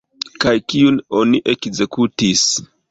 Kaj kiun oni ekzekutis?